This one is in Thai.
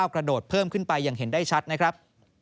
กระโดดเพิ่มขึ้นไปอย่างเห็นได้ชัดนะครับ